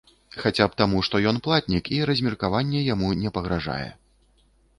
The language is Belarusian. Хаця б таму, што ён платнік і размеркаванне яму не пагражае.